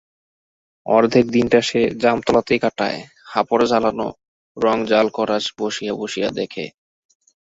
অর্ধেক দিনটা সে জামতলাতেই কাটায়-হাপর জ্বালানো, রং ঝাল করা বসিয়া বসিয়া দেখে।